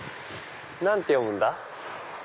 何て読むんだ？